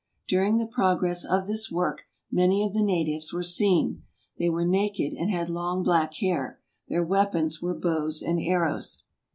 During the progress of this work many of the natives were seen ; they were naked and had long black hair. Their weapons were bows and arrows.